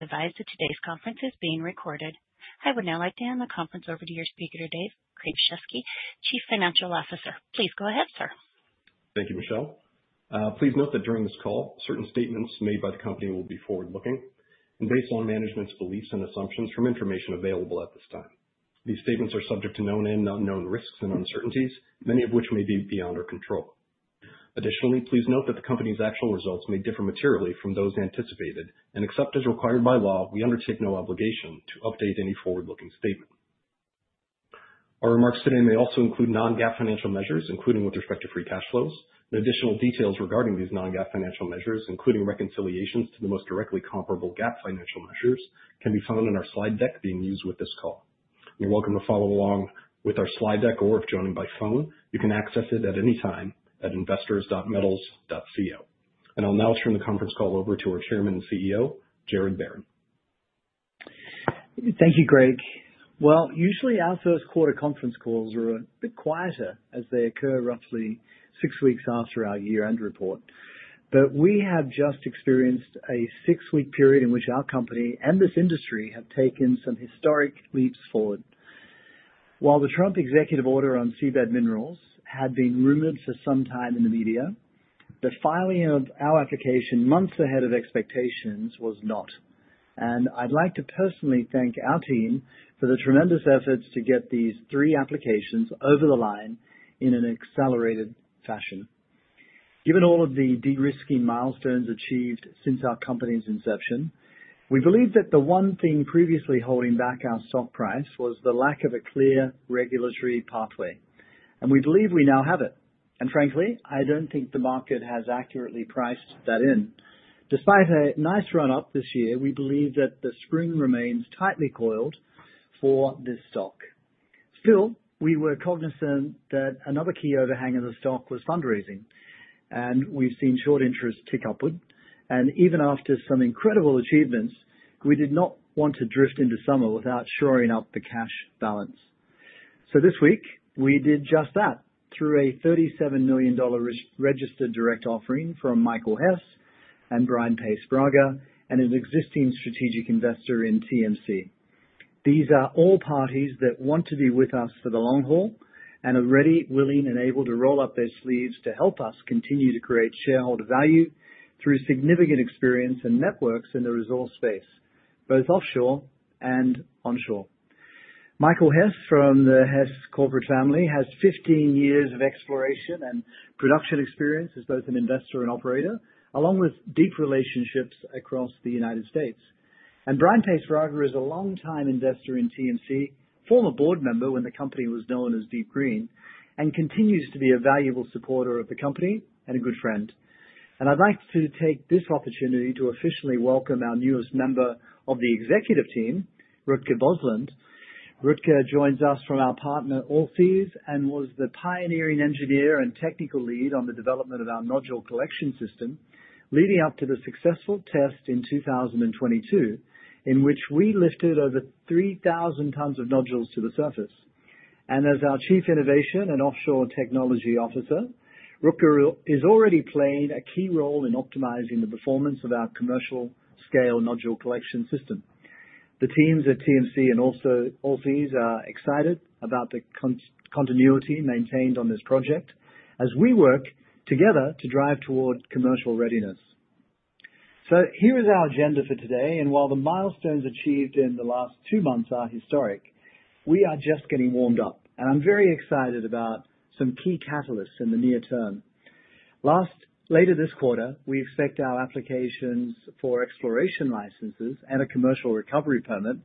Advise that today's conference is being recorded. I would now like to hand the conference over to your speaker today, Craig Shesky, Chief Financial Officer. Please go ahead, sir. Thank you, Michelle. Please note that during this call, certain statements made by the company will be forward-looking and based on management's beliefs and assumptions from information available at this time. These statements are subject to known and unknown risks and uncertainties, many of which may be beyond our control. Additionally, please note that the company's actual results may differ materially from those anticipated, and except as required by law, we undertake no obligation to update any forward-looking statement. Our remarks today may also include non-GAAP financial measures, including with respect to free cash flows. Additional details regarding these non-GAAP financial measures, including reconciliations to the most directly comparable GAAP financial measures, can be found in our slide deck being used with this call. You're welcome to follow along with our slide deck, or if joining by phone, you can access it at any time at investors.metals.co. I'll now turn the conference call over to our Chairman and CEO, Gerard Barron. Thank you, Greg. Usually our first quarter conference calls are a bit quieter as they occur roughly six weeks after our year-end report, but we have just experienced a six-week period in which our company and this industry have taken some historic leaps forward. While the Trump executive order on seabed minerals had been rumored for some time in the media, the filing of our application months ahead of expectations was not. I would like to personally thank our team for the tremendous efforts to get these three applications over the line in an accelerated fashion. Given all of the de-risking milestones achieved since our company's inception, we believe that the one thing previously holding back our stock price was the lack of a clear regulatory pathway. We believe we now have it. Frankly, I do not think the market has accurately priced that in. Despite a nice run-up this year, we believe that the spring remains tightly coiled for this stock. Still, we were cognizant that another key overhang of the stock was fundraising, and we've seen short interest tick upward. Even after some incredible achievements, we did not want to drift into summer without shoring up the cash balance. This week, we did just that through a $37 million registered direct offering from Michael Hess and Brian Hehir, and an existing strategic investor in TMC. These are all parties that want to be with us for the long haul and are ready, willing, and able to roll up their sleeves to help us continue to create shareholder value through significant experience and networks in the resource space, both offshore and onshore. Michael Hess from the Hess Corporation family has 15 years of exploration and production experience as both an investor and operator, along with deep relationships across the United States. Brian Hehir is a longtime investor in TMC, former board member when the company was known as DeepGreen, and continues to be a valuable supporter of the company and a good friend. I'd like to take this opportunity to officially welcome our newest member of the executive team, Rutger Bosland. Rutger joins us from our partner, Allseas, and was the pioneering engineer and technical lead on the development of our Nodule Collection System, leading up to the successful test in 2022, in which we lifted over 3,000 tons of nodules to the surface. As our Chief Innovation and Offshore Technology Officer, Rutger is already playing a key role in optimizing the performance of our commercial-scale Nodule Collection System. The teams at TMC and also Allseas are excited about the continuity maintained on this project as we work together to drive toward commercial readiness. Here is our agenda for today. While the milestones achieved in the last two months are historic, we are just getting warmed up. I am very excited about some key catalysts in the near term. Later this quarter, we expect our applications for exploration licenses and a commercial recovery permit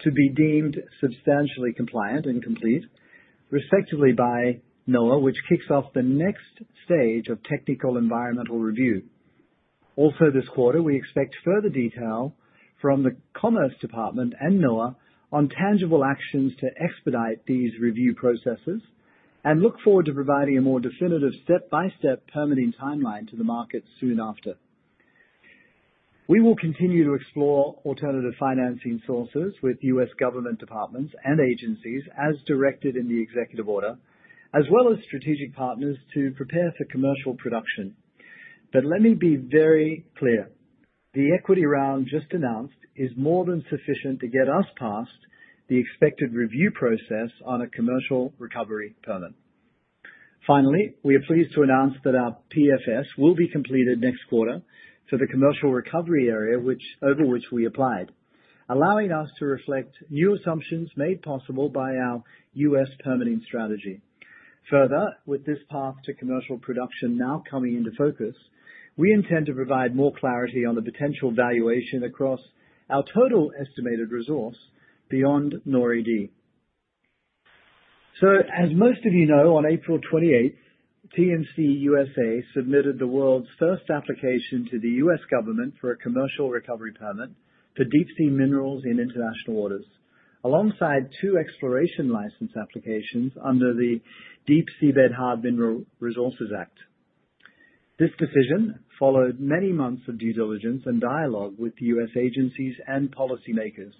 to be deemed substantially compliant and complete, respectively, by NOAA, which kicks off the next stage of technical environmental review. Also, this quarter, we expect further detail from the Commerce Department and NOAA on tangible actions to expedite these review processes and look forward to providing a more definitive step-by-step permitting timeline to the market soon after. We will continue to explore alternative financing sources with U.S. government departments and agencies as directed in the executive order, as well as strategic partners to prepare for commercial production. Let me be very clear. The equity round just announced is more than sufficient to get us past the expected review process on a commercial recovery permit. Finally, we are pleased to announce that our PFS will be completed next quarter for the commercial recovery area over which we applied, allowing us to reflect new assumptions made possible by our U.S. permitting strategy. Further, with this path to commercial production now coming into focus, we intend to provide more clarity on the potential valuation across our total estimated resource beyond NORI. As most of you know, on April 28, TMC USA submitted the world's first application to the U.S. government for a commercial recovery permit for deep-sea minerals in international waters, alongside two exploration license applications under the Deep Seabed Hard Mineral Resources Act. This decision followed many months of due diligence and dialogue with U.S. agencies and policymakers.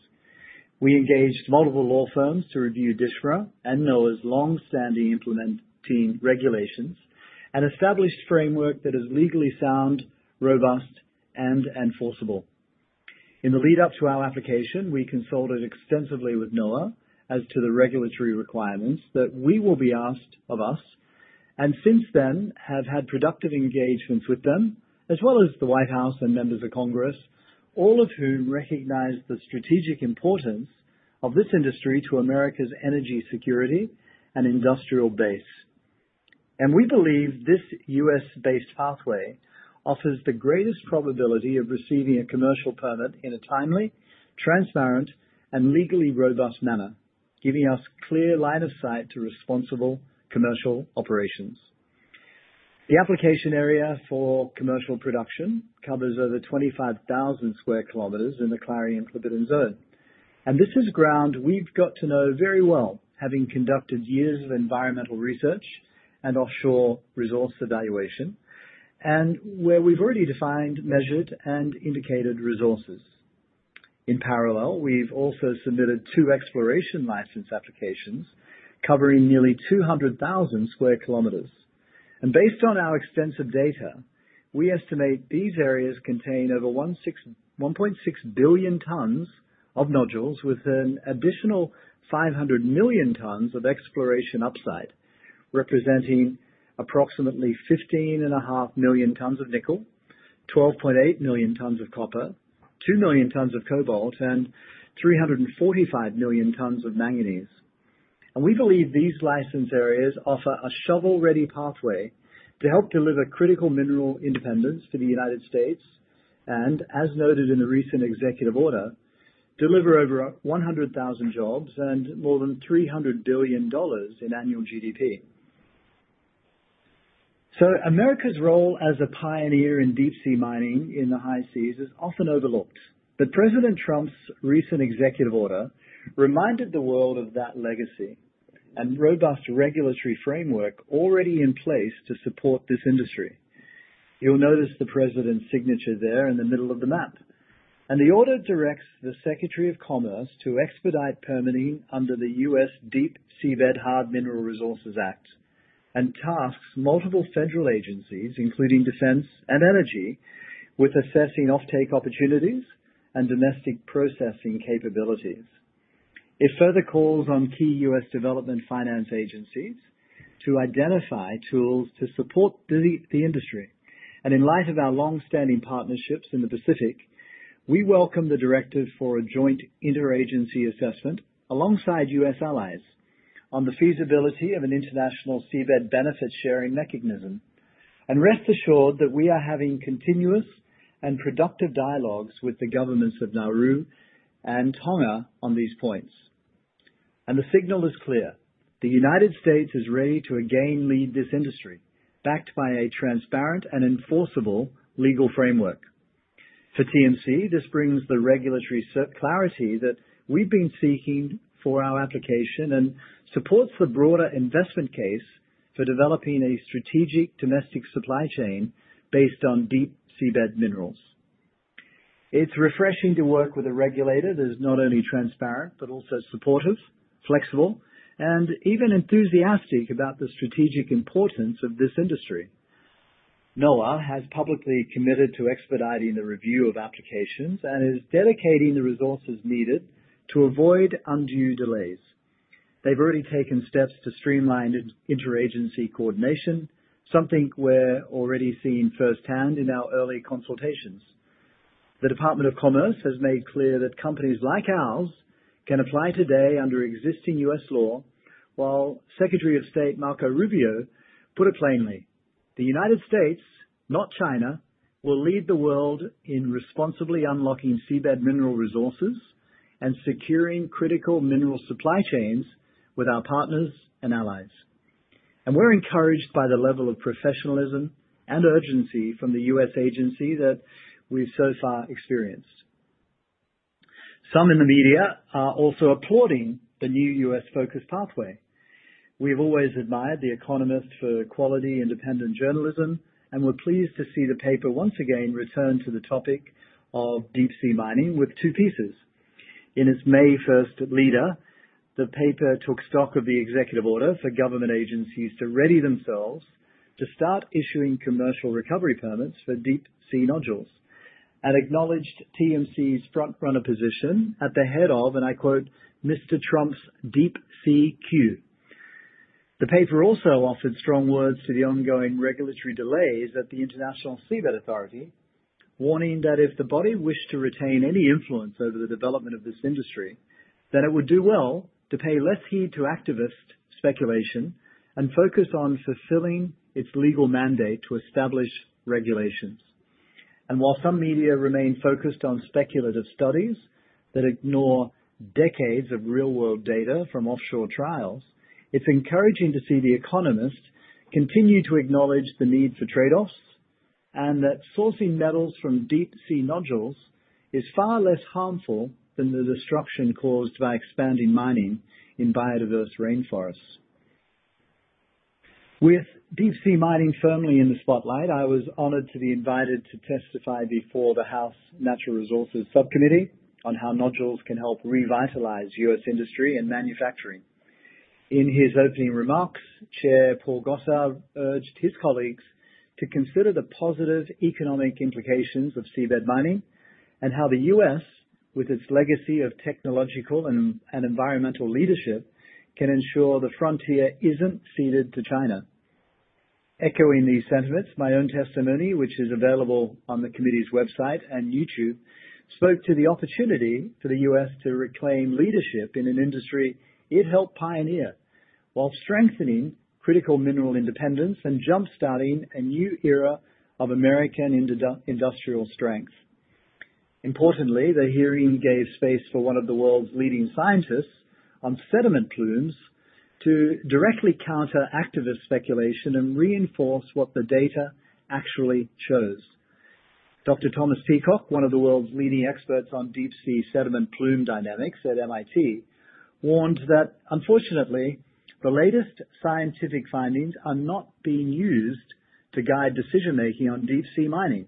We engaged multiple law firms to review DSHMRA and NOAA's longstanding implementing regulations and established a framework that is legally sound, robust, and enforceable. In the lead-up to our application, we consulted extensively with NOAA as to the regulatory requirements that will be asked of us, and since then have had productive engagements with them, as well as the White House and members of Congress, all of whom recognize the strategic importance of this industry to America's energy security and industrial base. We believe this US-based pathway offers the greatest probability of receiving a commercial permit in a timely, transparent, and legally robust manner, giving us a clear line of sight to responsible commercial operations. The application area for commercial production covers over 25,000 sq km in the Clarion-Clipperton Zone. This is ground we've got to know very well, having conducted years of environmental research and offshore resource evaluation, and where we've already defined, measured, and indicated resources. In parallel, we've also submitted two exploration license applications covering nearly 200,000 sq km. Based on our extensive data, we estimate these areas contain over 1.6 billion tons of nodules with an additional 500 million tons of exploration upside, representing approximately 15.5 million tons of nickel, 12.8 million tons of copper, 2 million tons of cobalt, and 345 million tons of manganese. We believe these license areas offer a shovel-ready pathway to help deliver critical mineral independence to the United States and, as noted in the recent executive order, deliver over 100,000 jobs and more than $300 billion in annual GDP. America's role as a pioneer in deep-sea mining in the high seas is often overlooked. President Trump's recent executive order reminded the world of that legacy and robust regulatory framework already in place to support this industry. You'll notice the president's signature there in the middle of the map. The order directs the Secretary of Commerce to expedite permitting under the U.S. Deep Seabed Hard Mineral Resources Act and tasks multiple federal agencies, including defense and energy, with assessing offtake opportunities and domestic processing capabilities. It further calls on key U.S. development finance agencies to identify tools to support the industry. In light of our longstanding partnerships in the Pacific, we welcome the directive for a joint interagency assessment alongside U.S. allies on the feasibility of an international seabed benefit-sharing mechanism. Rest assured that we are having continuous and productive dialogues with the governments of Nauru and Tonga on these points. The signal is clear. The United States is ready to again lead this industry, backed by a transparent and enforceable legal framework. For TMC, this brings the regulatory clarity that we've been seeking for our application and supports the broader investment case for developing a strategic domestic supply chain based on deep-seabed minerals. It's refreshing to work with a regulator that is not only transparent but also supportive, flexible, and even enthusiastic about the strategic importance of this industry. NOAA has publicly committed to expediting the review of applications and is dedicating the resources needed to avoid undue delays. They've already taken steps to streamline interagency coordination, something we're already seeing firsthand in our early consultations. The Department of Commerce has made clear that companies like ours can apply today under existing U.S. law, while Secretary of State Marco Rubio put it plainly: "The United States, not China, will lead the world in responsibly unlocking seabed mineral resources and securing critical mineral supply chains with our partners and allies." We are encouraged by the level of professionalism and urgency from the U.S. agency that we have so far experienced. Some in the media are also applauding the new U.S.-focused pathway. We have always admired The Economist for quality independent journalism, and we are pleased to see the paper once again return to the topic of deep-sea mining with two pieces. In its May 1st lead-up, the paper took stock of the executive order for government agencies to ready themselves to start issuing commercial recovery permits for deep-sea nodules and acknowledged TMC's front-runner position at the head of, and I quote, "Mr. Trump's deep-sea queue." The paper also offered strong words to the ongoing regulatory delays at the International Seabed Authority, warning that if the body wished to retain any influence over the development of this industry, it would do well to pay less heed to activist speculation and focus on fulfilling its legal mandate to establish regulations. While some media remain focused on speculative studies that ignore decades of real-world data from offshore trials, it's encouraging to see The Economist continue to acknowledge the need for trade-offs and that sourcing metals from deep-sea nodules is far less harmful than the destruction caused by expanding mining in biodiverse rainforests. With deep-sea mining firmly in the spotlight, I was honored to be invited to testify before the House Natural Resources Subcommittee on how nodules can help revitalize U.S. industry and manufacturing. In his opening remarks, Chair Paul Gosar urged his colleagues to consider the positive economic implications of seabed mining and how the U.S., with its legacy of technological and environmental leadership, can ensure the frontier isn't ceded to China. Echoing these sentiments, my own testimony, which is available on the committee's website and YouTube, spoke to the opportunity for the U.S. to reclaim leadership in an industry it helped pioneer while strengthening critical mineral independence and jump-starting a new era of American industrial strength. Importantly, the hearing gave space for one of the world's leading scientists on sediment plumes to directly counter activist speculation and reinforce what the data actually shows. Dr. Thomas Peacock, one of the world's leading experts on deep-sea sediment plume dynamics at MIT, warned that, unfortunately, the latest scientific findings are not being used to guide decision-making on deep-sea mining.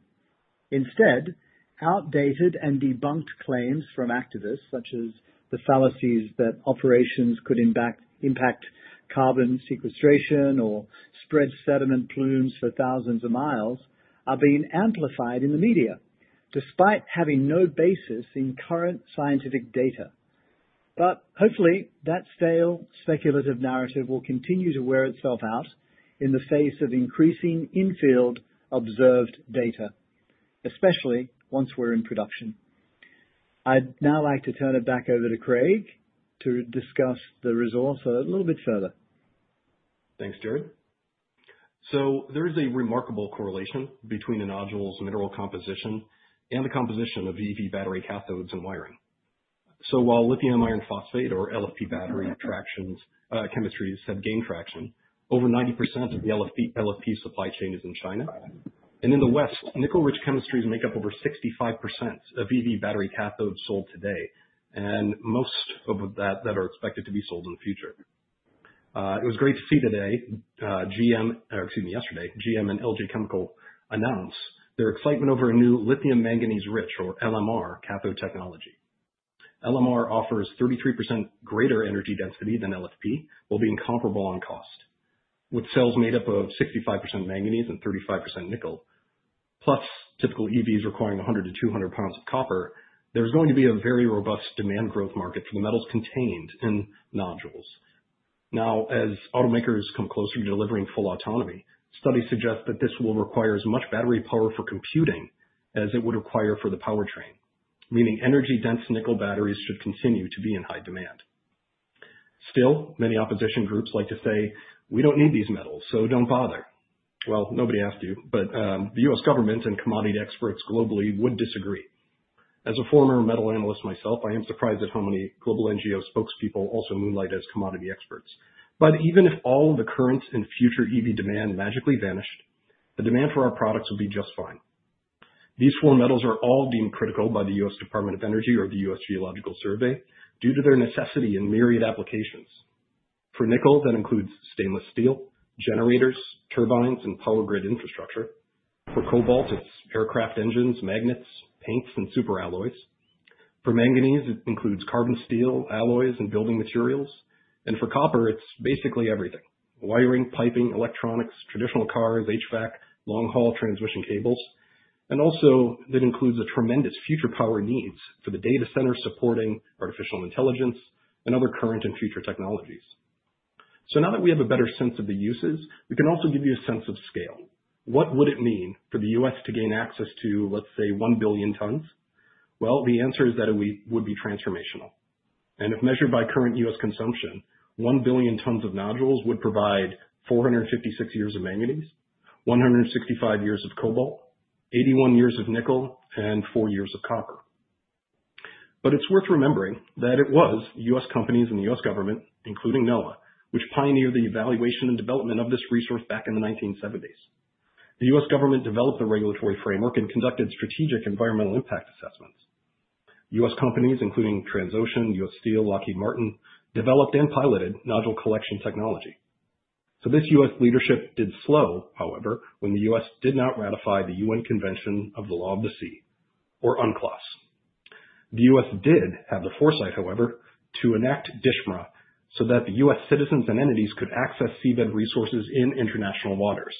Instead, outdated and debunked claims from activists, such as the fallacies that operations could impact carbon sequestration or spread sediment plumes for thousands of miles, are being amplified in the media, despite having no basis in current scientific data. Hopefully, that stale speculative narrative will continue to wear itself out in the face of increasing infield observed data, especially once we're in production. I'd now like to turn it back over to Craig to discuss the resource a little bit further. Thanks, Gerard. There is a remarkable correlation between the nodules' mineral composition and the composition of EV battery cathodes and wiring. While lithium iron phosphate, or LFP, battery chemistries have gained traction, over 90% of the LFP supply chain is in China. In the West, nickel-rich chemistries make up over 65% of EV battery cathodes sold today, and most of that are expected to be sold in the future. It was great to see today—excuse me—yesterday, GM and LG Chem announced their excitement over a new lithium manganese-rich, or LMR, cathode technology. LMR offers 33% greater energy density than LFP, while being comparable on cost. With cells made up of 65% manganese and 35% nickel, plus typical EVs requiring 100 to 200 lbs of copper, there is going to be a very robust demand growth market for the metals contained in nodules. Now, as automakers come closer to delivering full autonomy, studies suggest that this will require as much battery power for computing as it would require for the powertrain, meaning energy-dense nickel batteries should continue to be in high demand. Still, many opposition groups like to say, "We don't need these metals, so don't bother." Nobody has to. The U.S. government and commodity experts globally would disagree. As a former metal analyst myself, I am surprised at how many global NGO spokespeople also moonlight as commodity experts. Even if all the current and future EV demand magically vanished, the demand for our products would be just fine. These four metals are all deemed critical by the U.S. Department of Energy or the U.S. Geological Survey due to their necessity in myriad applications. For nickel, that includes stainless steel, generators, turbines, and power grid infrastructure. For cobalt, it's aircraft engines, magnets, paints, and super alloys. For manganese, it includes carbon steel, alloys, and building materials. For copper, it's basically everything: wiring, piping, electronics, traditional cars, HVAC, long-haul transmission cables. That also includes a tremendous future power needs for the data center supporting artificial intelligence and other current and future technologies. Now that we have a better sense of the uses, we can also give you a sense of scale. What would it mean for the U.S. to gain access to, let's say, 1 billion tons? The answer is that it would be transformational. If measured by current U.S. consumption, 1 billion tons of nodules would provide 456 years of manganese, 165 years of cobalt, 81 years of nickel, and 4 years of copper. It is worth remembering that it was US companies and the US government, including NOAA, which pioneered the evaluation and development of this resource back in the 1970s. The US government developed the regulatory framework and conducted strategic environmental impact assessments. US companies, including Transocean, US Steel, Lockheed Martin, developed and piloted nodule collection technology. This US leadership did slow, however, when the US did not ratify the United Nations Convention on the Law of the Sea, or UNCLOS. The US did have the foresight, however, to enact DSHMRA so that US citizens and entities could access seabed resources in international waters.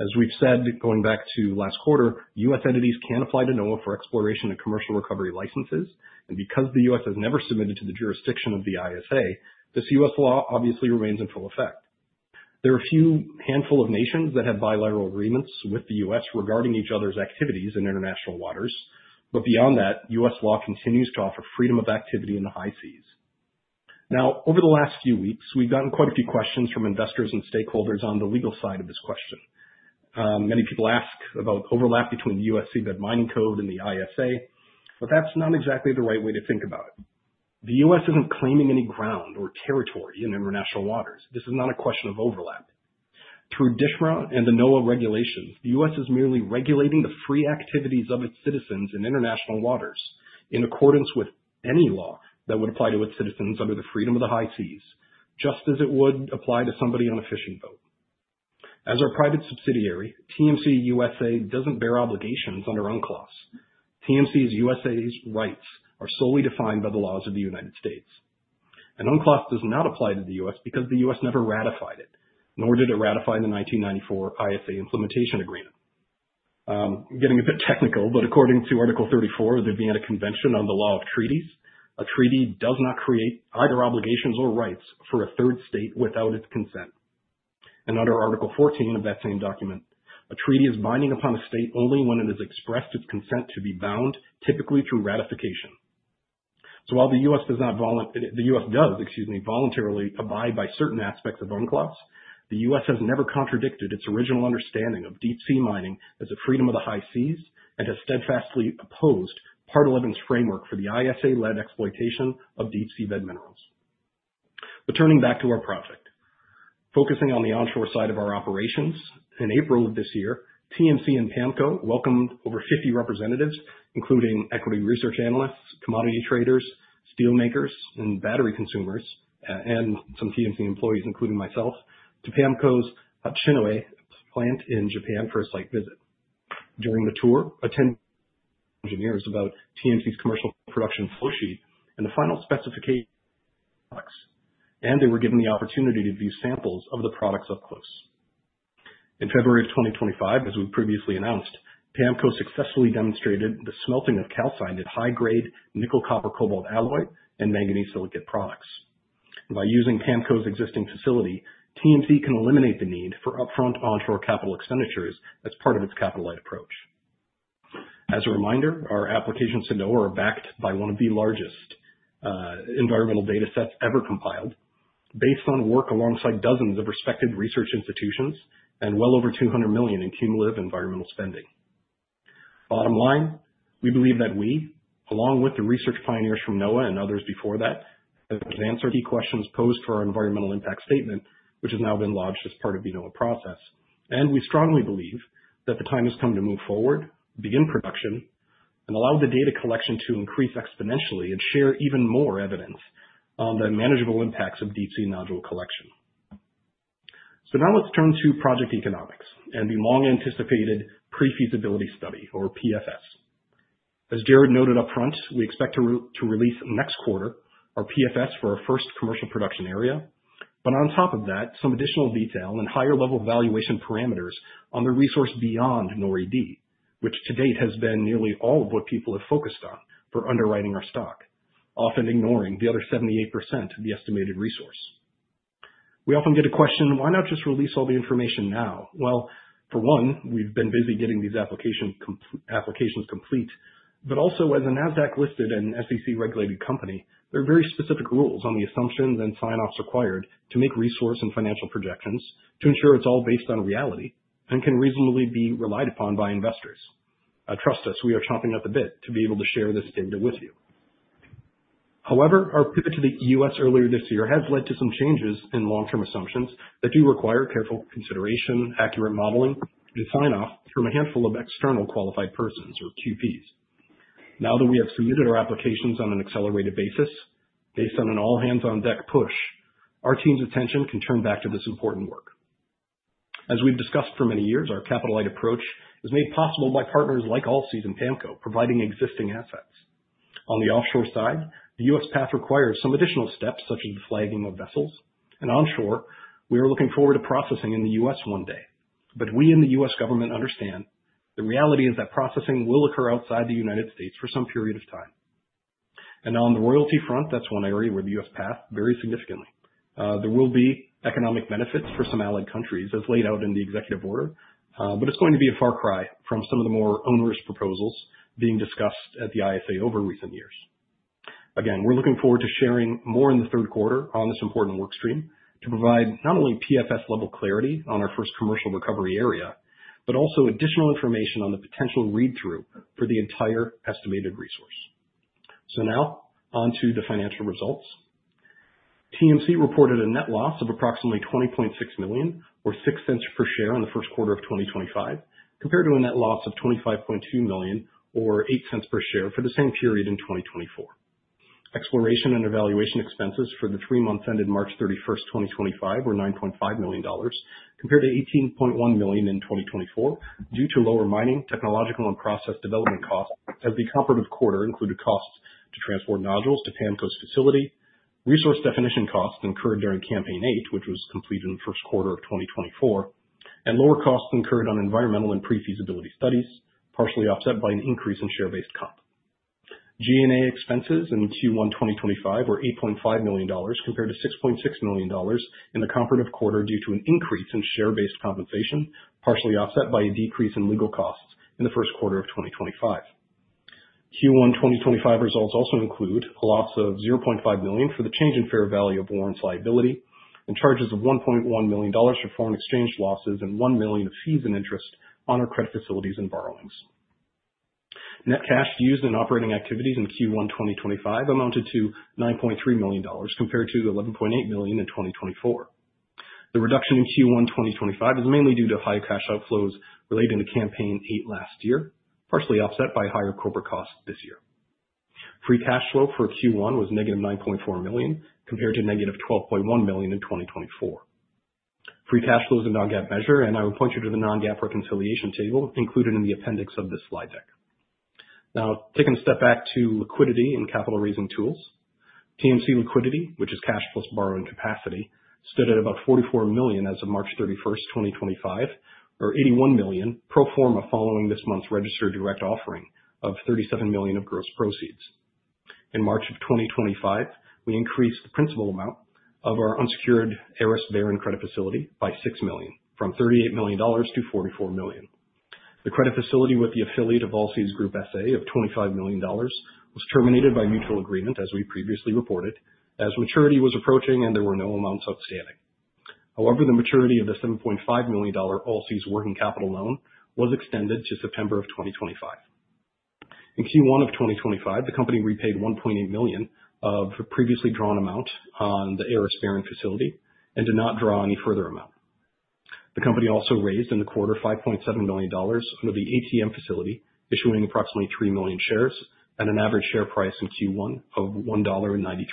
As we have said, going back to last quarter, US entities can apply to NOAA for exploration and commercial recovery licenses. Because the US has never submitted to the jurisdiction of the ISA, this US law obviously remains in full effect. There are a few handful of nations that have bilateral agreements with the U.S. regarding each other's activities in international waters. Beyond that, U.S. law continues to offer freedom of activity in the high seas. Now, over the last few weeks, we've gotten quite a few questions from investors and stakeholders on the legal side of this question. Many people ask about overlap between the U.S. Seabed Mining Code and the ISA, but that's not exactly the right way to think about it. The U.S. isn't claiming any ground or territory in international waters. This is not a question of overlap. Through DSHMRA and the NOAA regulations, the U.S. is merely regulating the free activities of its citizens in international waters in accordance with any law that would apply to its citizens under the freedom of the high seas, just as it would apply to somebody on a fishing boat. As our private subsidiary, TMC USA does not bear obligations under UNCLOS. TMC USA's rights are solely defined by the laws of the United States. UNCLOS does not apply to the U.S. because the U.S. never ratified it, nor did it ratify the 1994 ISA implementation agreement. I'm getting a bit technical, but according to Article 34 of the Vienna Convention on the Law of Treaties, a treaty does not create either obligations or rights for a third state without its consent. Under Article 14 of that same document, a treaty is binding upon a state only when it has expressed its consent to be bound, typically through ratification. While the U.S. does not voluntarily abide by certain aspects of UNCLOS, the U.S. has never contradicted its original understanding of deep-sea mining as a freedom of the high seas and has steadfastly opposed part 11's framework for the ISA-led exploitation of deep-sea bed minerals. Turning back to our project, focusing on the onshore side of our operations, in April of this year, TMC and PAMCO welcomed over 50 representatives, including equity research analysts, commodity traders, steelmakers, and battery consumers, and some TMC employees, including myself, to PAMCO's Hachinohe plant in Japan for a site visit. During the tour, 10 engineers learned about TMC's commercial production flowsheet and the final specification of the products, and they were given the opportunity to view samples of the products up close. In February of 2025, as we previously announced, PAMCO successfully demonstrated the smelting of calcined high-grade nickel-copper-cobalt alloy and manganese silicate products. By using PAMCO's existing facility, TMC can eliminate the need for upfront onshore capital expenditures as part of its capital-light approach. As a reminder, our applications to NOAA are backed by one of the largest environmental data sets ever compiled, based on work alongside dozens of respected research institutions and well over $200 million in cumulative environmental spending. Bottom line, we believe that we, along with the research pioneers from NOAA and others before that, have answered key questions posed for our environmental impact statement, which has now been lodged as part of the NOAA process. We strongly believe that the time has come to move forward, begin production, and allow the data collection to increase exponentially and share even more evidence on the manageable impacts of deep-sea nodule collection. Now let's turn to project economics and the long-anticipated pre-feasibility study, or PFS. As Gerard noted upfront, we expect to release next quarter our PFS for our first commercial production area. On top of that, some additional detail and higher-level valuation parameters on the resource beyond NORI, which to date has been nearly all of what people have focused on for underwriting our stock, often ignoring the other 78% of the estimated resource. We often get a question, "Why not just release all the information now?" For one, we've been busy getting these applications complete. Also, as a NASDAQ-listed and SEC-regulated company, there are very specific rules on the assumptions and sign-offs required to make resource and financial projections to ensure it is all based on reality and can reasonably be relied upon by investors. Trust us, we are chomping at the bit to be able to share this data with you. However, our pivot to the US earlier this year has led to some changes in long-term assumptions that do require careful consideration, accurate modeling, and sign-off from a handful of external qualified persons, or QPs. Now that we have submitted our applications on an accelerated basis based on an all-hands-on-deck push, our team's attention can turn back to this important work. As we have discussed for many years, our capital-light approach is made possible by partners like Allseas and PAMCO providing existing assets. On the offshore side, the U.S. path requires some additional steps, such as the flagging of vessels. Onshore, we are looking forward to processing in the U.S. one day. We and the U.S. government understand the reality is that processing will occur outside the United States for some period of time. On the royalty front, that's one area where the U.S. path varies significantly. There will be economic benefits for some allied countries, as laid out in the executive order, but it's going to be a far cry from some of the more onerous proposals being discussed at the ISA over recent years. Again, we're looking forward to sharing more in the third quarter on this important workstream to provide not only PFS-level clarity on our first commercial recovery area, but also additional information on the potential read-through for the entire estimated resource. Now on to the financial results. TMC reported a net loss of approximately $20.6 million, or $0.06 per share in the first quarter of 2025, compared to a net loss of $25.2 million, or $0.08 per share for the same period in 2024. Exploration and evaluation expenses for the three months ended March 31, 2025, were $9.5 million, compared to $18.1 million in 2024 due to lower mining, technological, and process development costs, as the operative quarter included costs to transport nodules to PAMCO's facility, resource definition costs incurred during Campaign 8, which was completed in the first quarter of 2024, and lower costs incurred on environmental and pre-feasibility studies, partially offset by an increase in share-based comp. G&A expenses in Q1 2025 were $8.5 million, compared to $6.6 million in the comparative quarter due to an increase in share-based compensation, partially offset by a decrease in legal costs in the first quarter of 2025. Q1 2025 results also include a loss of $0.5 million for the change in fair value of warrants liability and charges of $1.1 million for foreign exchange losses and $1 million of fees and interest on our credit facilities and borrowings. Net cash used in operating activities in Q1 2025 amounted to $9.3 million, compared to $11.8 million in 2024. The reduction in Q1 2025 is mainly due to high cash outflows relating to Campaign 8 last year, partially offset by higher corporate costs this year. Free cash flow for Q1 was negative $9.4 million, compared to negative $12.1 million in 2024. Free cash flow is a non-GAAP measure, and I will point you to the non-GAAP reconciliation table included in the appendix of this slide deck. Now, taking a step back to liquidity and capital-raising tools, TMC liquidity, which is cash plus borrowing capacity, stood at about $44 million as of March 31, 2025, or $81 million pro forma following this month's registered direct offering of $37 million of gross proceeds. In March of 2025, we increased the principal amount of our unsecured Hehir Barron credit facility by $6 million, from $38 million to $44 million. The credit facility with the affiliate of Allseas Group SA of $25 million was terminated by mutual agreement, as we previously reported, as maturity was approaching and there were no amounts outstanding. However, the maturity of the $7.5 million Allseas working capital loan was extended to September of 2025. In Q1 of 2025, the company repaid $1.8 million of the previously drawn amount on the Hehir Barron facility and did not draw any further amount. The company also raised in the quarter $5.7 million under the ATM facility, issuing approximately 3 million shares at an average share price in Q1 of $1.93.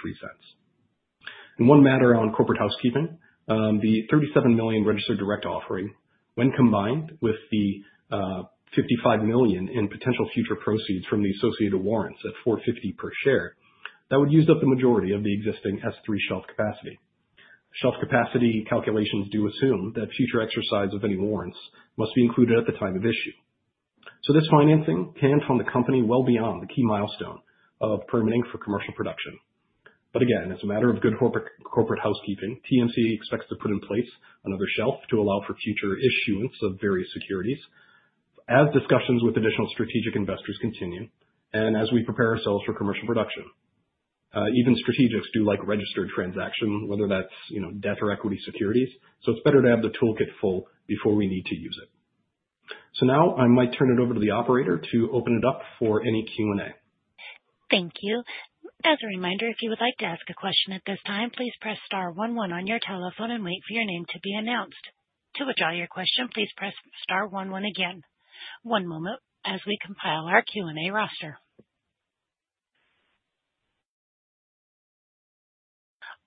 In one matter on corporate housekeeping, the $37 million registered direct offering, when combined with the $55 million in potential future proceeds from the associated warrants at $4.50 per share, that would use up the majority of the existing S3 shelf capacity. Shelf capacity calculations do assume that future exercise of any warrants must be included at the time of issue. This financing can fund the company well beyond the key milestone of permitting for commercial production. But again, as a matter of good corporate housekeeping, TMC expects to put in place another shelf to allow for future issuance of various securities as discussions with additional strategic investors continue and as we prepare ourselves for commercial production. Even strategics do like registered transactions, whether that's debt or equity securities, so it's better to have the toolkit full before we need to use it. Now I might turn it over to the operator to open it up for any Q&A. Thank you. As a reminder, if you would like to ask a question at this time, please press star 11 on your telephone and wait for your name to be announced. To withdraw your question, please press star 11 again. One moment as we compile our Q&A roster.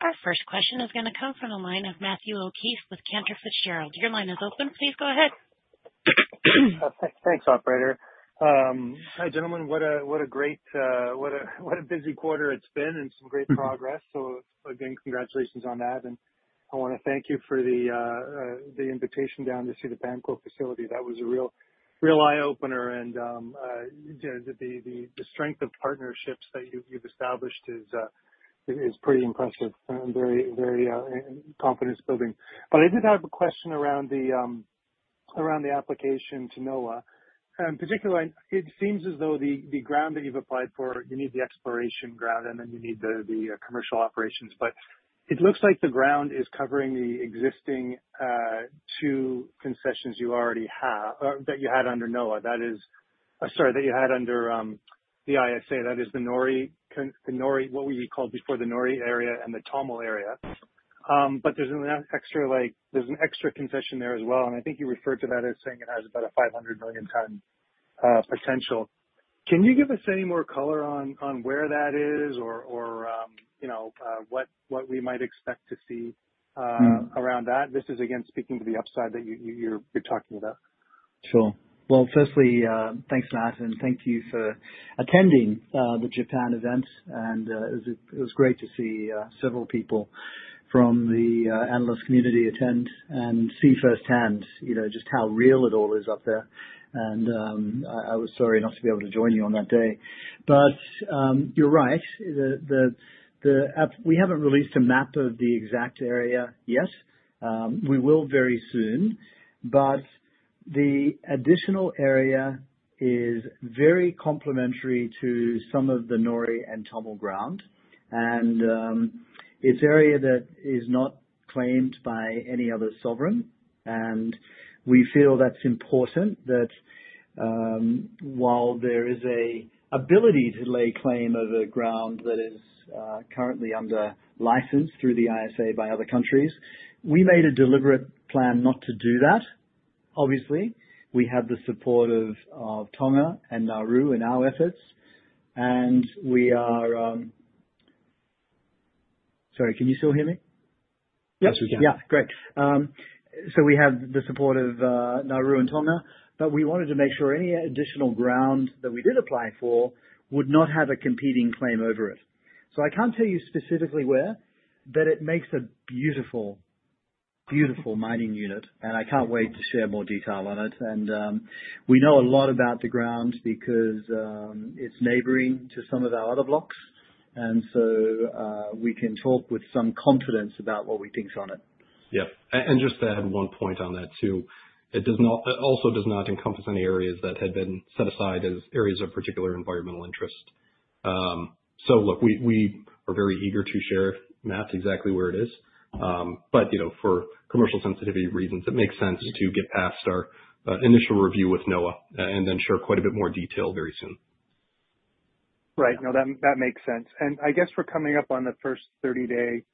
Our first question is going to come from the line of Matthew O'Keefe with Cantor Fitzgerald. Your line is open. Please go ahead. Thanks, operator. Hi, gentlemen. What a great busy quarter it's been and some great progress. Again, congratulations on that. I want to thank you for the invitation down to see the PAMCO facility. That was a real eye-opener. The strength of partnerships that you've established is pretty impressive and very confidence-building. I did have a question around the application to NOAA. In particular, it seems as though the ground that you've applied for, you need the exploration ground, and then you need the commercial operations. It looks like the ground is covering the existing two concessions you already have that you had under NOAA, sorry, that you had under the ISA. That is the NORI, what we called before the NORI area, and the TAML area. There is an extra concession there as well. I think you referred to that as saying it has about a 500 million ton potential. Can you give us any more color on where that is or what we might expect to see around that? This is, again, speaking to the upside that you're talking about. Sure. Firstly, thanks, Matt. Thank you for attending the Japan event. It was great to see several people from the analyst community attend and see firsthand just how real it all is up there. I was sorry not to be able to join you on that day. You're right. We haven't released a map of the exact area yet. We will very soon. The additional area is very complementary to some of the NORI and TAML ground. It's area that is not claimed by any other sovereign. We feel that's important that while there is an ability to lay claim of a ground that is currently under license through the ISA by other countries, we made a deliberate plan not to do that, obviously. We have the support of Tonga and Nauru in our efforts. Sorry, can you still hear me? Yes, we can. Yeah, great. We have the support of Nauru and Tonga. We wanted to make sure any additional ground that we did apply for would not have a competing claim over it. I can't tell you specifically where, but it makes a beautiful, beautiful mining unit. I can't wait to share more detail on it. We know a lot about the ground because it's neighboring to some of our other blocks. We can talk with some confidence about what we think on it. Yeah. And just to add one point on that too, it also does not encompass any areas that had been set aside as areas of particular environmental interest. Look, we are very eager to share, Matt, exactly where it is. But for commercial sensitivity reasons, it makes sense to get past our initial review with NOAA and then share quite a bit more detail very soon. Right. No, that makes sense. I guess we're coming up on the first 30-day,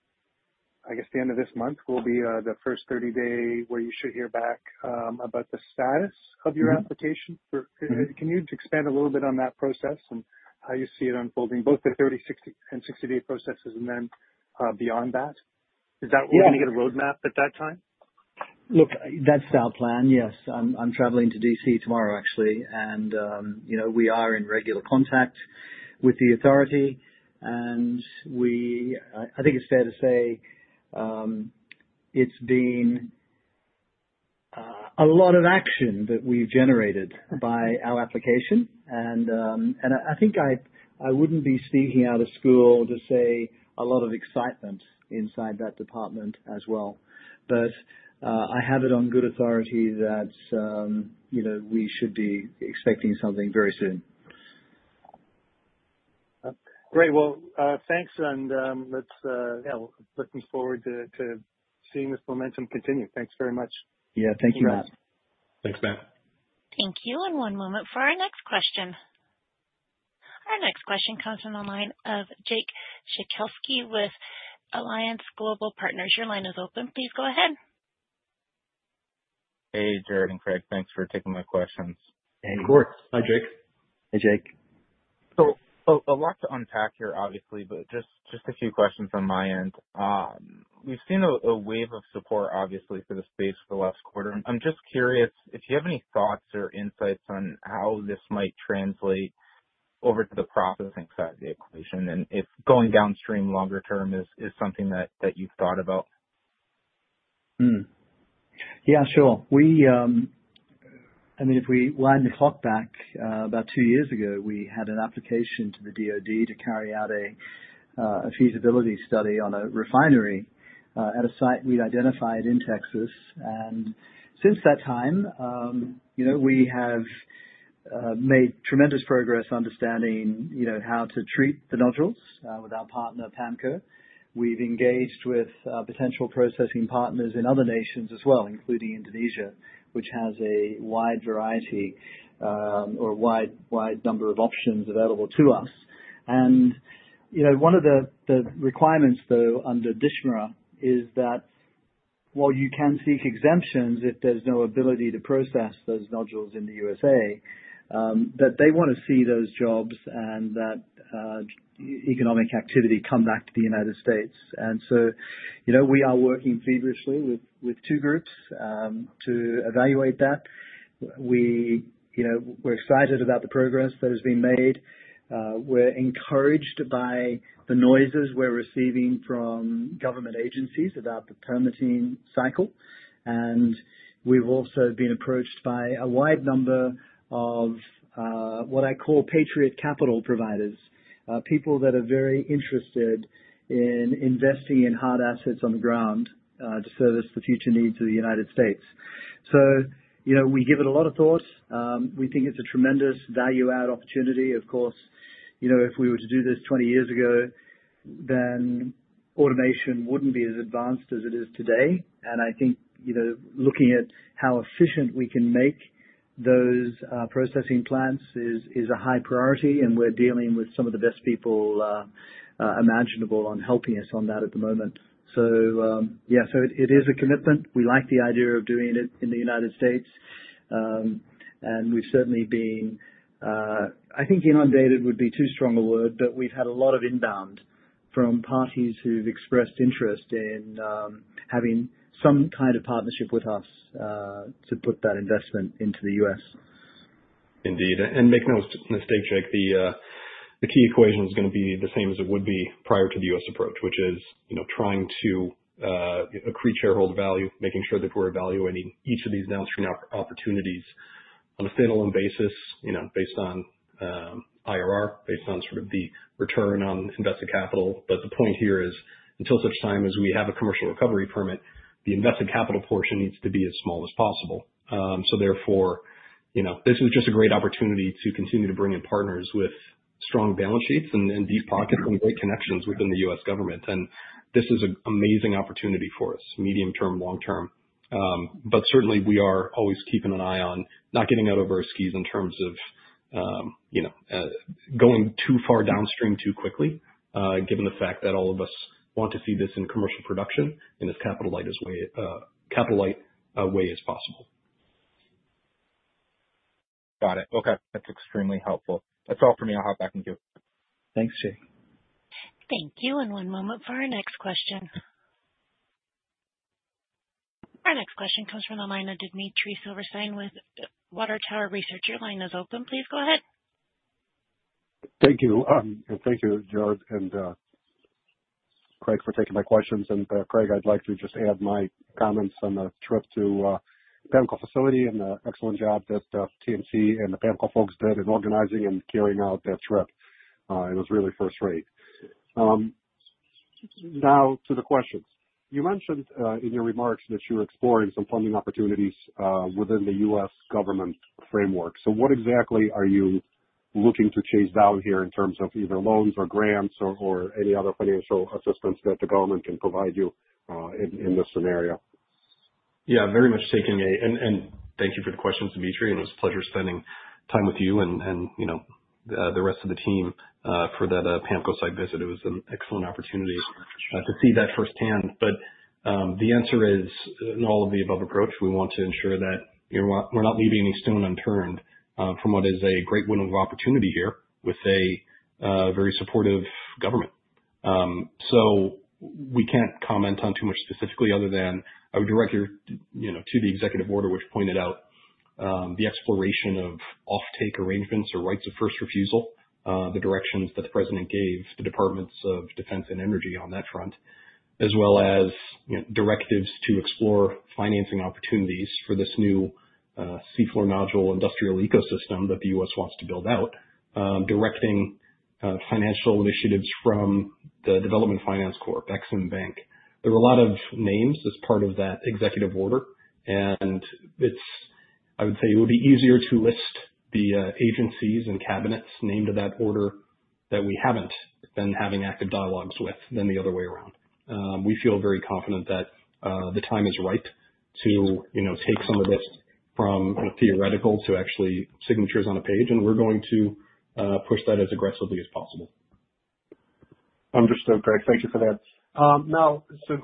I guess the end of this month will be the first 30-day where you should hear back about the status of your application. Can you expand a little bit on that process and how you see it unfolding, both the 30 and 60-day processes and then beyond that? Is that when you get a roadmap at that time? Look, that's our plan, yes. I'm traveling to DC tomorrow, actually. We are in regular contact with the authority. I think it's fair to say it's been a lot of action that we've generated by our application. I think I wouldn't be speaking out of school to say a lot of excitement inside that department as well. I have it on good authority that we should be expecting something very soon. Great. Thanks. Looking forward to seeing this momentum continue. Thanks very much. Yeah, thank you, Matt. Thanks, Matt. Thank you. One moment for our next question. Our next question comes from the line of Jake Sekelsky with Alliance Global Partners. Your line is open. Please go ahead. Hey, Gerard and Craig. Thanks for taking my questions. Hey, of course. Hi, Jake. Hey, Jake. A lot to unpack here, obviously, but just a few questions on my end. We've seen a wave of support, obviously, for the space for the last quarter. I'm just curious if you have any thoughts or insights on how this might translate over to the processing side of the equation and if going downstream longer term is something that you've thought about. Yeah, sure. I mean, if we wind the clock back, about two years ago, we had an application to the DOD to carry out a feasibility study on a refinery at a site we'd identified in Texas. Since that time, we have made tremendous progress understanding how to treat the nodules with our partner, PAMCO. We've engaged with potential processing partners in other nations as well, including Indonesia, which has a wide variety or wide number of options available to us. One of the requirements, though, under DSHMRA is that while you can seek exemptions if there is no ability to process those nodules in the U.S.A., they want to see those jobs and that economic activity come back to the United States. We are working feverishly with two groups to evaluate that. We are excited about the progress that has been made. We are encouraged by the noises we are receiving from government agencies about the permitting cycle. We have also been approached by a wide number of what I call patriot capital providers, people that are very interested in investing in hard assets on the ground to service the future needs of the United States. We give it a lot of thought. We think it is a tremendous value-add opportunity. Of course, if we were to do this 20 years ago, then automation would not be as advanced as it is today. I think looking at how efficient we can make those processing plants is a high priority. We are dealing with some of the best people imaginable on helping us on that at the moment. Yeah, it is a commitment. We like the idea of doing it in the United States. We have certainly been, I think inundated would be too strong a word, but we have had a lot of inbound from parties who have expressed interest in having some kind of partnership with us to put that investment into the US. Indeed. Make no mistake, Jake, the key equation is going to be the same as it would be prior to the U.S. approach, which is trying to accrete shareholder value, making sure that we're evaluating each of these downstream opportunities on a standalone basis based on IRR, based on sort of the return on invested capital. The point here is until such time as we have a commercial recovery permit, the invested capital portion needs to be as small as possible. Therefore, this is just a great opportunity to continue to bring in partners with strong balance sheets and deep pockets and great connections within the U.S. government. This is an amazing opportunity for us, medium term, long term. Certainly, we are always keeping an eye on not getting out over our skis in terms of going too far downstream too quickly, given the fact that all of us want to see this in commercial production in as capital-light a way as possible. Got it. Okay. That's extremely helpful. That's all for me. I'll hop back and give. Thanks, Jake. Thank you. One moment for our next question. Our next question comes from the line of Dmitry Silversteyn with Water Tower Research. Your line is open. Please go ahead. Thank you. Thank you, Gerard and Craig, for taking my questions. Craig, I'd like to just add my comments on the trip to the PAMCO facility and the excellent job that TMC and the PAMCO folks did in organizing and carrying out that trip. It was really first-rate. Now, to the questions. You mentioned in your remarks that you're exploring some funding opportunities within the U.S. government framework. So what exactly are you looking to chase down here in terms of either loans or grants or any other financial assistance that the government can provide you in this scenario? Yeah, very much taking a—and thank you for the questions, Dmitry. And it was a pleasure spending time with you and the rest of the team for that PAMCO site visit. It was an excellent opportunity to see that firsthand. But the answer is, in all of the above approach, we want to ensure that we're not leaving any stone unturned from what is a great window of opportunity here with a very supportive government. We can't comment on too much specifically other than I would direct you to the executive order, which pointed out the exploration of offtake arrangements or rights of first refusal, the directions that the president gave the Departments of Defense and Energy on that front, as well as directives to explore financing opportunities for this new seafloor nodule industrial ecosystem that the U.S. wants to build out, directing financial initiatives from the Development Finance Corp, Exim Bank. There are a lot of names as part of that executive order. I would say it would be easier to list the agencies and cabinets named to that order that we haven't been having active dialogues with than the other way around. We feel very confident that the time is right to take some of this from theoretical to actually signatures on a page. We're going to push that as aggressively as possible. Understood, Craig. Thank you for that. Now, since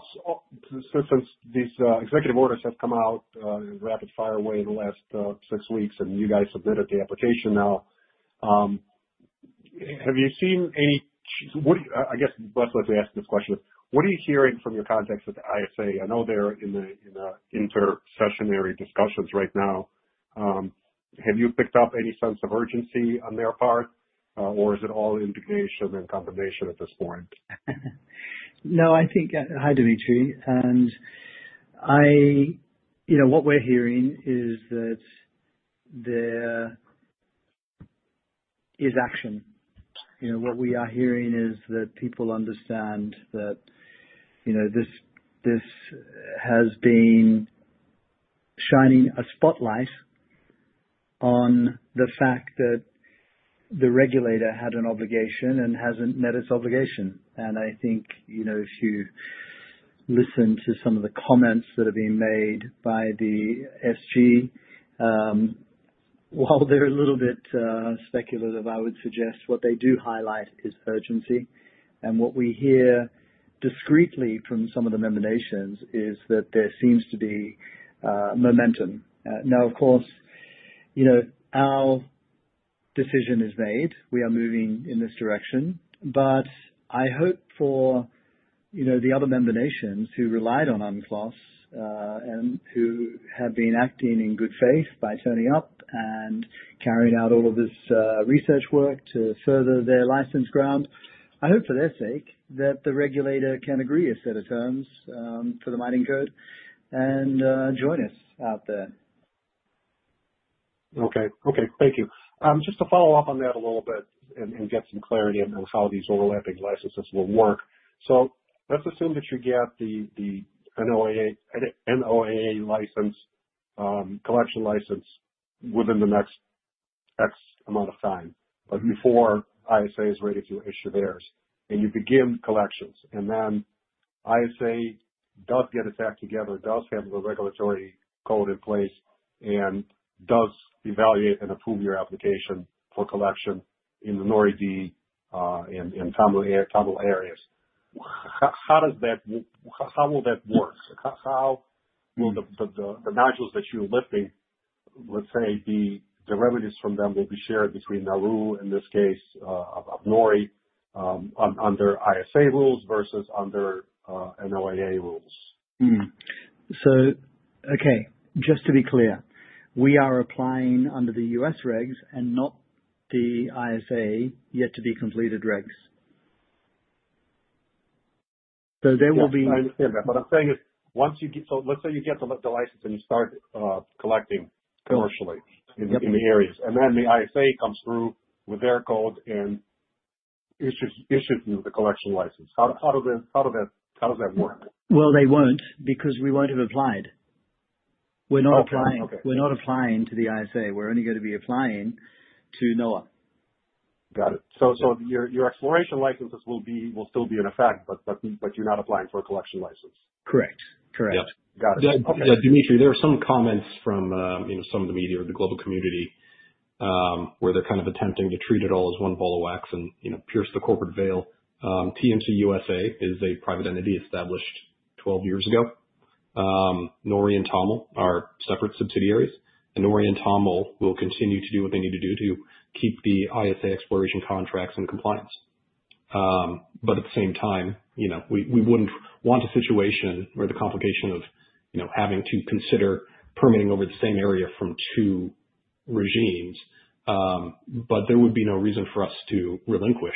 these executive orders have come out in rapid fire way in the last six weeks and you guys submitted the application now, have you seen any—I guess let's ask this question. What are you hearing from your contacts at the ISA? I know they're in the intersessionary discussions right now. Have you picked up any sense of urgency on their part? Or is it all indication and combination at this point? No, I think—hi, Dmitry. And what we're hearing is that there is action. What we are hearing is that people understand that this has been shining a spotlight on the fact that the regulator had an obligation and hasn't met its obligation. I think if you listen to some of the comments that are being made by the SG, while they're a little bit speculative, I would suggest what they do highlight is urgency. What we hear discreetly from some of the member nations is that there seems to be momentum. Of course, our decision is made. We are moving in this direction. I hope for the other member nations who relied on UNCLOS and who have been acting in good faith by turning up and carrying out all of this research work to further their licensed ground, I hope for their sake that the regulator can agree to a set of terms for the mining code and join us out there. Okay. Thank you. Just to follow up on that a little bit and get some clarity on how these overlapping licenses will work. Let's assume that you get the NOAA collection license within the next X amount of time, but before ISA is ready to issue theirs. You begin collections. Then ISA does get its act together, does have the regulatory code in place, and does evaluate and approve your application for collection in the NORI and TAML areas. How will that work? How will the nodules that you're lifting, let's say, the remedies from them, be shared between Nauru, in this case, of NORI under ISA rules versus under NOAA rules? Okay, just to be clear, we are applying under the US regs and not the ISA yet-to-be-completed regs. I understand that. What I'm saying is once you get—let's say you get the license and you start collecting commercially in the areas. Then the ISA comes through with their code and issues you the collection license. How does that work? They will not because we will not have applied. We are not applying to the ISA. We are only going to be applying to NOAA. Got it. So your exploration licenses will still be in effect, but you are not applying for a collection license? Correct. Correct. Got it. DME Dmitry, there are some comments from some of the media or the global community where they are kind of attempting to treat it all as one ball of wax and pierce the corporate veil. TMC USA is a private entity established 12 years ago. NORI and TAML are separate subsidiaries. NORI and TAML will continue to do what they need to do to keep the ISA exploration contracts in compliance. At the same time, we would not want a situation where the complication of having to consider permitting over the same area from two regimes arises. There would be no reason for us to relinquish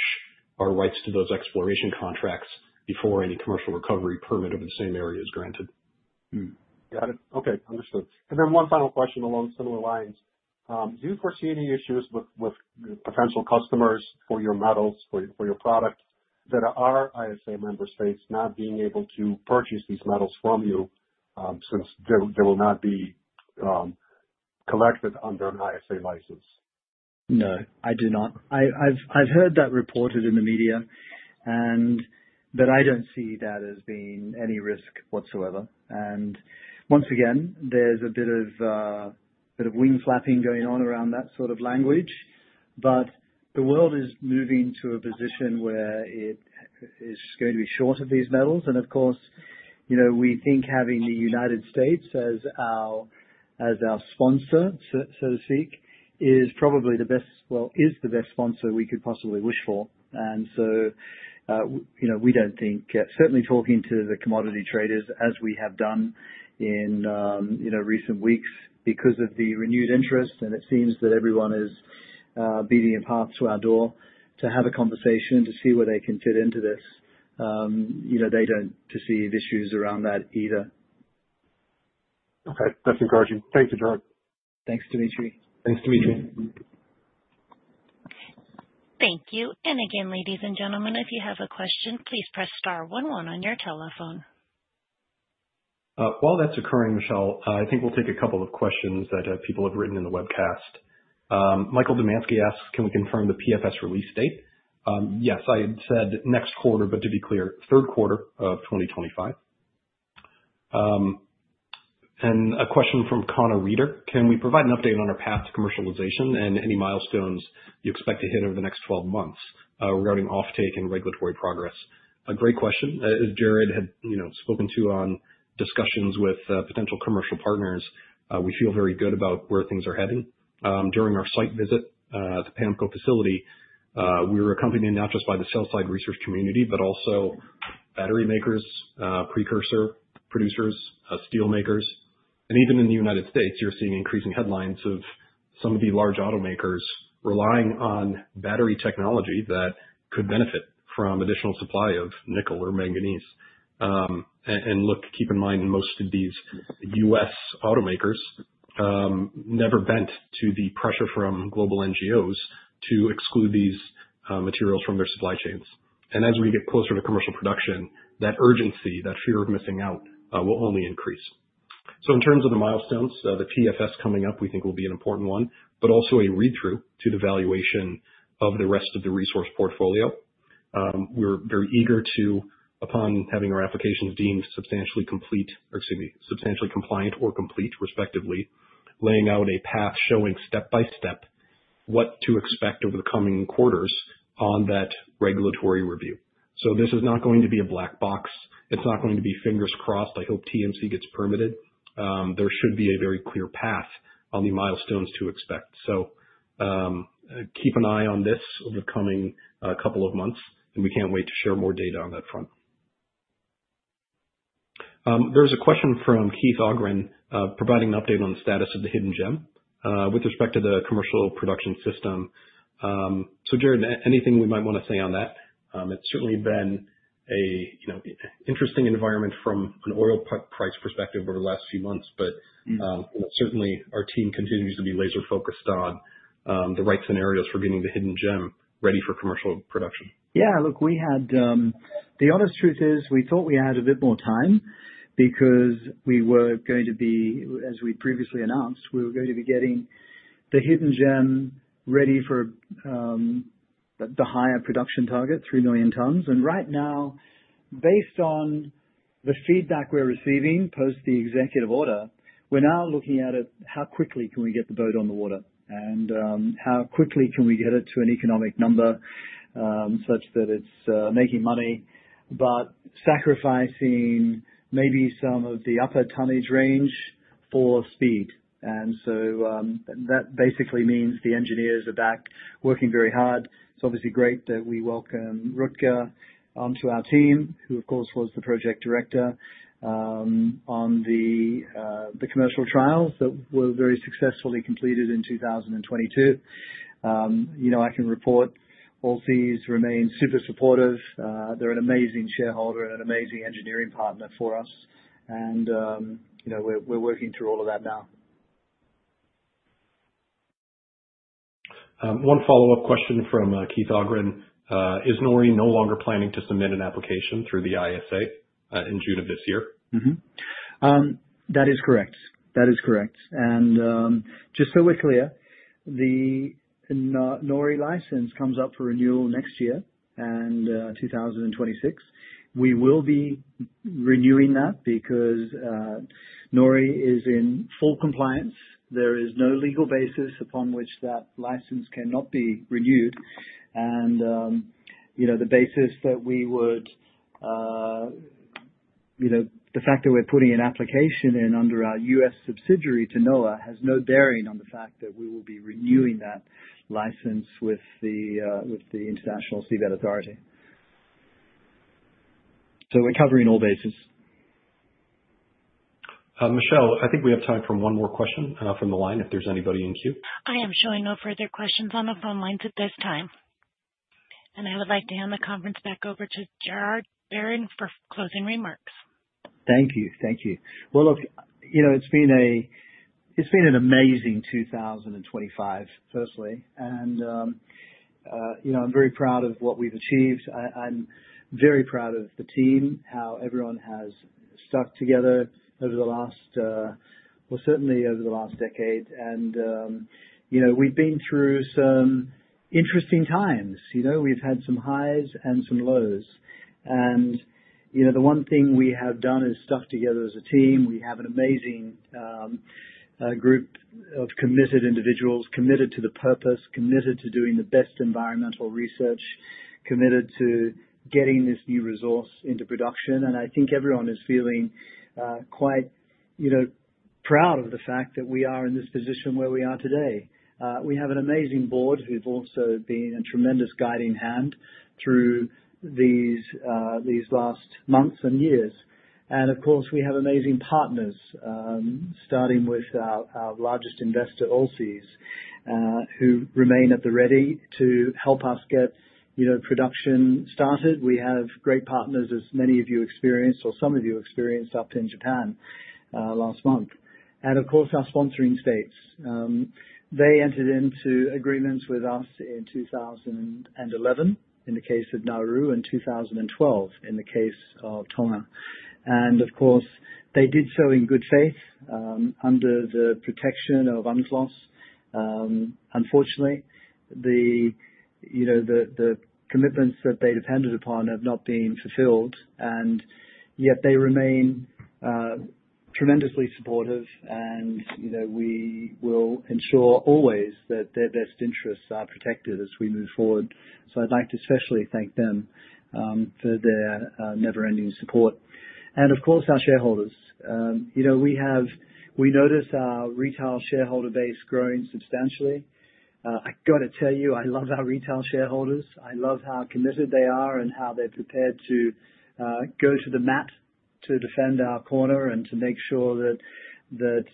our rights to those exploration contracts before any commercial recovery permit over the same area is granted. Got it. Okay. Understood. One final question along similar lines. Do you foresee any issues with potential customers for your metals, for your product, that are ISA member states not being able to purchase these metals from you since they will not be collected under an ISA license? No, I do not. I have heard that reported in the media, but I do not see that as being any risk whatsoever. Once again, there is a bit of wing flapping going on around that sort of language. The world is moving to a position where it is going to be short of these metals. Of course, we think having the United States as our sponsor, so to speak, is probably the best—is the best sponsor we could possibly wish for. We do not think—certainly talking to the commodity traders as we have done in recent weeks because of the renewed interest. It seems that everyone is beating a path to our door to have a conversation to see where they can fit into this. They do not perceive issues around that either. Okay. That is encouraging. Thank you, Gerard. Thanks, Dmitry. Thank you. Again, ladies and gentlemen, if you have a question, please press star 11 on your telephone. While that is occurring, Michelle, I think we will take a couple of questions that people have written in the webcast. Michael Dimansky asks, "Can we confirm the PFS release date?" Yes, I had said next quarter, but to be clear, third quarter of 2025. A question from Connor Reeder, "Can we provide an update on our path to commercialization and any milestones you expect to hit over the next 12 months regarding offtake and regulatory progress?" A great question. As Gerard had spoken to on discussions with potential commercial partners, we feel very good about where things are heading. During our site visit at the PAMCO facility, we were accompanied not just by the sell-side research community, but also battery makers, precursor producers, steel makers. Even in the United States, you are seeing increasing headlines of some of the large automakers relying on battery technology that could benefit from additional supply of nickel or manganese. Keep in mind, most of these US automakers never bent to the pressure from global NGOs to exclude these materials from their supply chains. As we get closer to commercial production, that urgency, that fear of missing out, will only increase. In terms of the milestones, the PFS coming up, we think will be an important one, but also a read-through to the valuation of the rest of the resource portfolio. We're very eager to, upon having our applications deemed substantially complete—or excuse me, substantially compliant or complete, respectively—lay out a path showing step by step what to expect over the coming quarters on that regulatory review. This is not going to be a black box. It's not going to be fingers crossed. I hope TMC gets permitted. There should be a very clear path on the milestones to expect. Keep an eye on this over the coming couple of months. We can't wait to share more data on that front. There's a question from Keith Aughran providing an update on the status of the Hidden Gem with respect to the commercial production system. Gerard, anything we might want to say on that? It has certainly been an interesting environment from an oil price perspective over the last few months. Certainly, our team continues to be laser-focused on the right scenarios for getting the Hidden Gem ready for commercial production. Yeah. Look, the honest truth is we thought we had a bit more time because we were going to be—as we previously announced—we were going to be getting the Hidden Gem ready for the higher production target, 3 million tons. Right now, based on the feedback we're receiving post the executive order, we're now looking at how quickly can we get the boat on the water and how quickly can we get it to an economic number such that it's making money but sacrificing maybe some of the upper tonnage range for speed. That basically means the engineers are back working very hard. It's obviously great that we welcome Rutger onto our team, who, of course, was the project director on the commercial trials that were very successfully completed in 2022. I can report Allseas remain super supportive. They're an amazing shareholder and an amazing engineering partner for us. We're working through all of that now. One follow-up question from Keith Aughran: Is NORI no longer planning to submit an application through the ISA in June of this year? That is correct. That is correct. Just so we're clear, the NORI license comes up for renewal next year in 2026. We will be renewing that because NORI is in full compliance. There is no legal basis upon which that license cannot be renewed. The fact that we're putting an application in under our U.S. subsidiary to NOAA has no bearing on the fact that we will be renewing that license with the International Seabed Authority. We're covering all bases. Michelle, I think we have time for one more question from the line if there's anybody in queue. I am showing no further questions on the phone lines at this time. I would like to hand the conference back over to Gerard Barron for closing remarks. Thank you. Thank you. It has been an amazing 2025, firstly. I am very proud of what we've achieved. I'm very proud of the team, how everyone has stuck together over the last—well, certainly over the last decade. We've been through some interesting times. We've had some highs and some lows. The one thing we have done is stuck together as a team. We have an amazing group of committed individuals committed to the purpose, committed to doing the best environmental research, committed to getting this new resource into production. I think everyone is feeling quite proud of the fact that we are in this position where we are today. We have an amazing board who've also been a tremendous guiding hand through these last months and years. Of course, we have amazing partners, starting with our largest investor, Allseas, who remain at the ready to help us get production started. We have great partners, as many of you experienced or some of you experienced up in Japan last month. Of course, our sponsoring states. They entered into agreements with us in 2011 in the case of Nauru and 2012 in the case of Tonga. Of course, they did so in good faith under the protection of UNCLOS. Unfortunately, the commitments that they depended upon have not been fulfilled. Yet they remain tremendously supportive. We will ensure always that their best interests are protected as we move forward. I would like to especially thank them for their never-ending support. Of course, our shareholders. We notice our retail shareholder base growing substantially. I have got to tell you, I love our retail shareholders. I love how committed they are and how they're prepared to go to the mat to defend our corner and to make sure that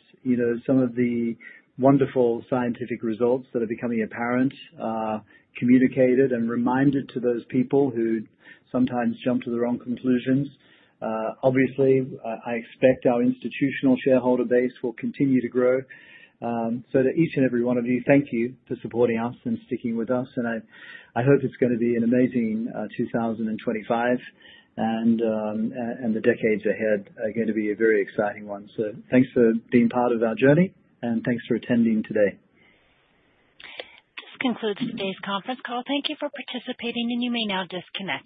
some of the wonderful scientific results that are becoming apparent are communicated and reminded to those people who sometimes jump to the wrong conclusions. Obviously, I expect our institutional shareholder base will continue to grow. To each and every one of you, thank you for supporting us and sticking with us. I hope it's going to be an amazing 2025. The decades ahead are going to be a very exciting one. Thanks for being part of our journey. Thanks for attending today. This concludes today's conference call. Thank you for participating. You may now disconnect.